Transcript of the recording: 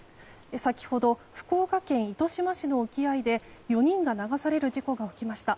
先ほど、福岡県糸島市の沖合で４人が流される事故が起きました。